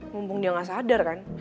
mumpung dia nggak sadar kan